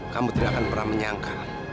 kamu tidak akan pernah menyangka